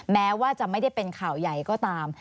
แม้ว่าจะไม่ได้เป็นข่าวใหญ่ก็ตาม